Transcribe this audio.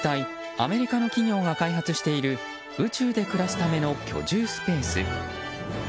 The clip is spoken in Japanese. アメリカの企業が開発している宇宙で暮らすための居住スペース。